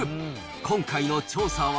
今回の調査は。